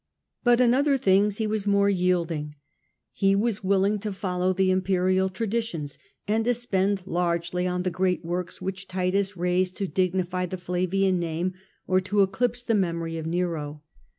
But in other things he was more yielding. He was willing to follow the imperial traditions and spend largely on the great Monev was works which Titus raised to dignify the spent largely Flavian name or to eclipse the memory of works. Nero.